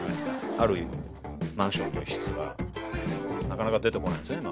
あるマンションの一室はなかなか出てこないんですよね